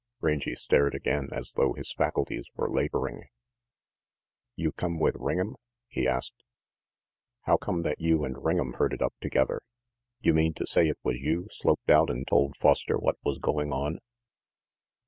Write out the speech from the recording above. Rangy stared again, as though his faculties were laboring. "You come with Ring'em?" he asked. "How come that you and Ring'em herded up together? You mean to say it was you sloped out and told Foster what was going on?"